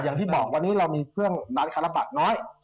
อย่างที่บอกวันนี้เรามีเครื่องร้านค้าระบัตรน้อย